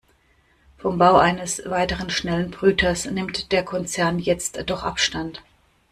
Vom Bau eines weiteren schnellen Brüters nimmt der Konzern jetzt doch Abstand.